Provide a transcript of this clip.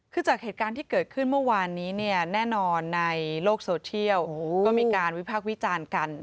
คือจากเหตุการณ์ที่เกิดขึ้นเมื่อวานนี้เนี่ยแน่นอนในโลกโซเทียลก็มีการวิพากษ์วิจารณ์กัน